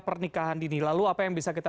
pernikahan dini lalu apa yang bisa kita